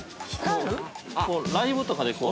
◆ライブとかでこう。